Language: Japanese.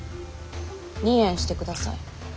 離縁してください。